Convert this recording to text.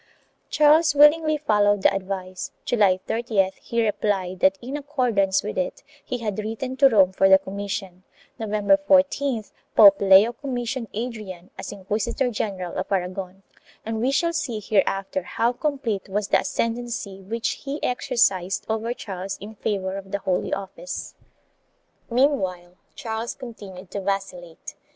Charles willingly followed the advice ; July 30th he replied that in accordance with it he had written to Rome for the commission; November 14th Pope Leo commissioned Adrian as Inquisitor general of Aragon, and we shall see here after how complete was the ascendancy which he exercised over Charles in favor of the Holy Office.4 Meanwhile Charles continued to vacillate.